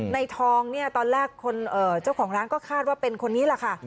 ทองเนี่ยตอนแรกเจ้าของร้านก็คาดว่าเป็นคนนี้แหละค่ะ